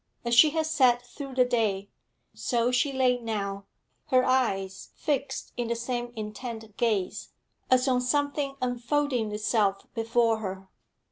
As she had sat through the day, so she lay now, her eyes fixed in the same intent gaze, as on something unfolding itself before her.